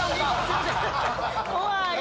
怖い！